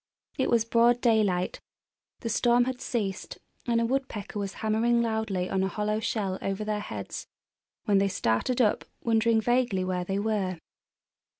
It was broad daylight, the storm had ceased, and a woodpecker was hammering loudly on a hollow shell over their heads when they started up, wondering vaguely where they were.